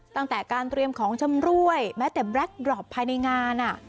ตั้งแต่การเตรียมของชำรวยแม้แต่แล็คดรอปภายในงาน